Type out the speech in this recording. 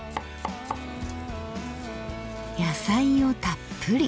野菜をたっぷり。